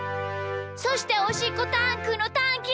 そしておしっこタンクのタンキー！